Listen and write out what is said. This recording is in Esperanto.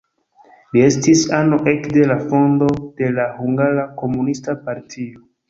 Li estis ano ekde la fondo de la Hungara Komunista partio.